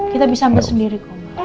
kita bisa ambil sendiri